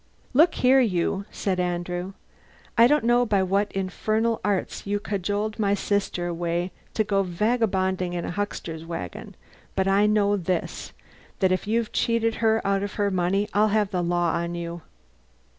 "Look here, you," said Andrew, "I don't know by what infernal arts you cajoled my sister away to go vagabonding in a huckster's wagon, but I know this, that if you've cheated her out of her money I'll have the law on you."